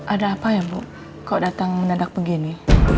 ada apa ya bu kok datang menadak begini